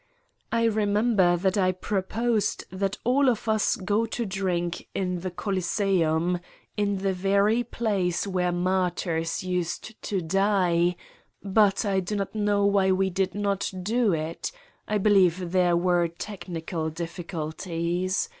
I remember that I proposed that all of us go to drink in the Col 199 Satan's Diary iseum, in the very place where martyrs used to die but I do not know why we did not do it I be lieve there were technical difficulties.